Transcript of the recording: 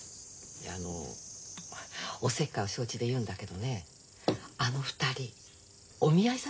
いやあのおせっかいを承知で言うんだけどねあの二人お見合いさせない？